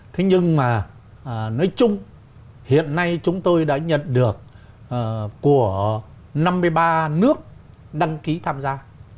thế nhưng mà nói chung hiện nay chúng tôi đã nhận được của năm mươi ba nước đăng ký tham gia